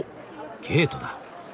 ゲートだ。